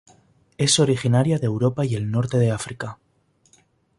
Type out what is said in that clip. Es originaria de Europa y el norte de África.